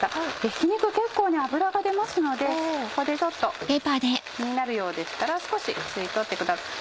ひき肉結構油が出ますのでここでちょっと気になるようでしたら少し吸い取ってください。